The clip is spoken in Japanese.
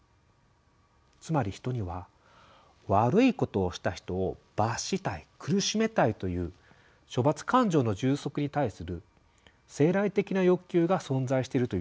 つまり人には「悪いことをした人を罰したい苦しめたい」という処罰感情の充足に対する生来的な欲求が存在しているというのです。